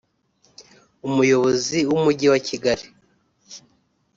Umuyobozi w’umujyi wa Kigali